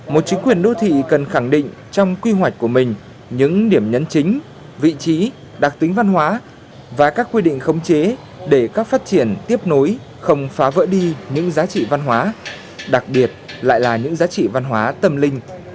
một chính quyền đô thị cần khẳng định trong quy hoạch của mình những điểm nhấn chính vị trí đặc tính văn hóa và các quy định khống chế để các phát triển tiếp nối không phá vỡ đi những giá trị văn hóa đặc biệt lại là những giá trị văn hóa tâm linh